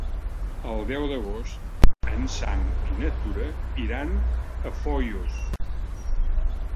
El deu d'agost en Sam i na Tura iran a Foios.